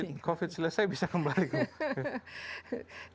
kalau covid selesai bisa kembali ke kampung